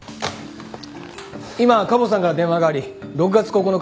今カモさんから電話があり６月９日